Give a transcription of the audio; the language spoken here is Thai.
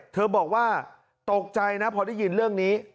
บอกว่าตกใจนะพอได้ยินเรื่องนี้